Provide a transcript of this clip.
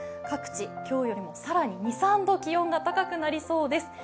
各地、今日よりも更に２３度気温が高くなりそうです。